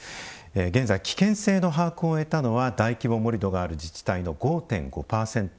現在、危険性の把握を終えたのは大規模盛土のある自治体の５．５％。